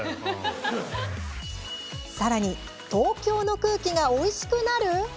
さらに東京の空気がおいしくなる？